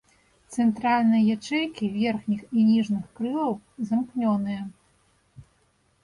Цэнтральныя ячэйкі верхніх і ніжніх крылаў замкнёныя.